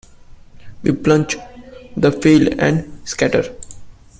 We plough the fields and scatter.